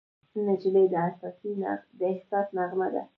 نجلۍ د احساس نغمه ده.